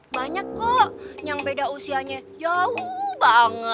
banyak kok yang beda usianya jauh banget